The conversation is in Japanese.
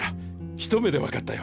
一目でわかったよ